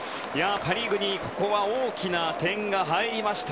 パ・リーグに大きな点が入りました。